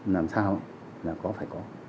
làm sao là có phải có